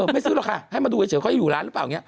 ไม่ซื้อละคะให้มาดูเดี๋ยวเขาจะอยู่ร้านหรือเปล่า